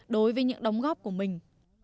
đối với những đóng góp của mình